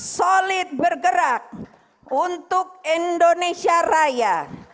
solid bergerak untuk indonesia raya